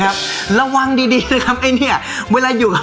ถามช่วงตัวผมดูนะครับ